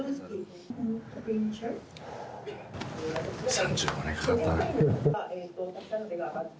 ３５年かかったな。